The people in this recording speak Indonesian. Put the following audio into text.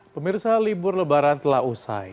pemirsa libur lebaran telah usai